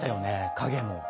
影も。